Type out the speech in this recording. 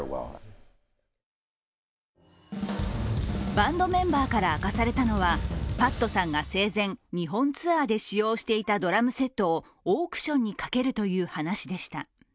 バンドメンバーから明かされたのは、パットさんが生前、日本ツアーで使用していたドラムセットをオークションにかけるという話でした。